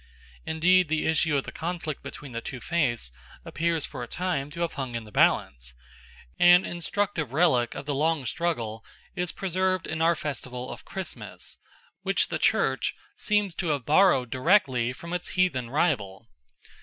Indeed the issue of the conflict between the two faiths appears for a time to have hung in the balance. An instructive relic of the long struggle is preserved in our festival of Christmas, which the Church seems to have borrowed directly from its heathen rival.